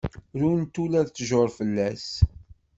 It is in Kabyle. Runt ula tjur fell-as.